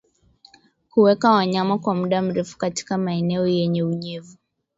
Kuweka wanyama kwa muda mrefu katika maeneo yenye unyevu